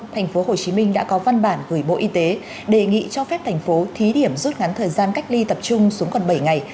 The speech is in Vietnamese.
tp hcm đã có văn bản gửi bộ y tế đề nghị cho phép thành phố thí điểm rút ngắn thời gian cách ly tập trung xuống còn bảy ngày